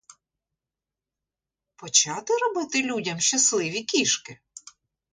Почати робити людям щасливі кішки?